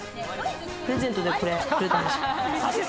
プレゼントでこれくれたんです。